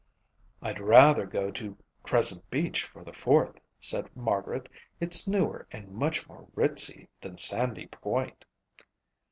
"I'd rather go to Crescent Beach for the Fourth," said Margaret. "It's newer and much more ritzy than Sandy Point."